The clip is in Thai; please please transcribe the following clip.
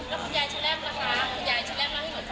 แล้วคุณยายชะแร็กนะครับคุณยายชะแร็กเล่าให้คนฟังเลยว่ะ